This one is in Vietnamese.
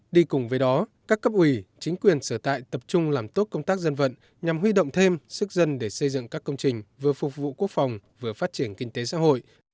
đi cùng với đó các cấp ủy chính quyền sở tại tập trung làm tốt công tác dân vận nhằm huy động thêm sức dân để xây dựng các công trình vừa phục vụ quốc phòng vừa phát triển kinh tế xã hội